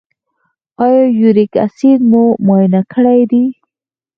ایا یوریک اسید مو معاینه کړی دی؟